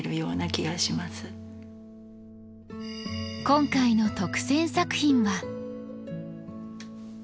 今回の特選作品は。